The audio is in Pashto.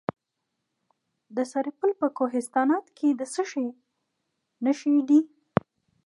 د سرپل په کوهستانات کې د څه شي نښې دي؟